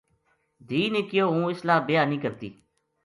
دھی نے کہیو" ہوں اِسلا بیاہ نیہہ کرتی "